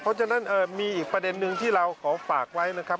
เพราะฉะนั้นมีอีกประเด็นนึงที่เราขอฝากไว้นะครับ